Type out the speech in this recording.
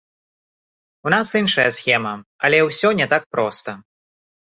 У нас іншая схема, але ўсё не так проста.